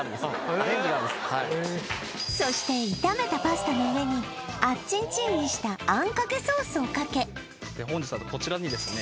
アレンジがあるんですそして炒めたパスタの上にあっちんちんにしたあんかけソースをかけ本日はこちらにですね